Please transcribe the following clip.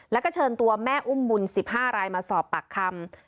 แล้วก็เชิญตัวแม่อุ้มบุญ๑๕รายมาสอบปากคำ